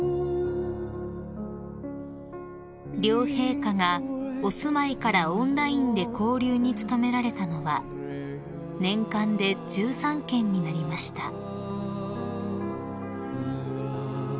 ［両陛下がお住まいからオンラインで交流に努められたのは年間で１３件になりました］